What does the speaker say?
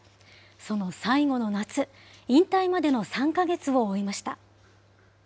その最後の夏、引退までの３か月を追いました。